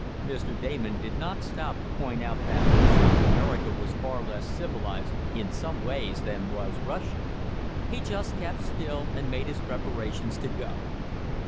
Mr. Damon did not stop to point out that South America was far less civilized, in some ways, than was Russia. He just kept still, and made his preparations to go.